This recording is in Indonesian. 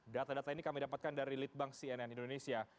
data data ini kami dapatkan dari litbang cnn indonesia